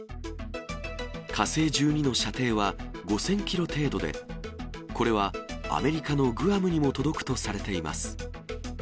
火星１２の射程は５０００キロ程度で、これはアメリカのグアムにも届くとされています。